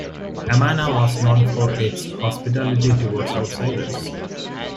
Amana was known for its hospitality towards outsiders.